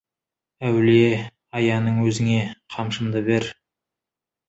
Әулие, аяның өзіңе, қамшымды бер.